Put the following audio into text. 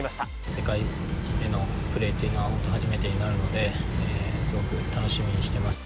世界でのプレーっていうのは本当初めてになるので、すごく楽しみにしてます。